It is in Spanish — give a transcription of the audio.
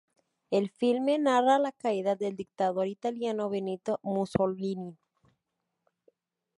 El filme narra la caída del dictador italiano Benito Mussolini.